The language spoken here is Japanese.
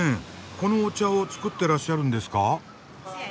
このお茶を作ってらっしゃるんですか？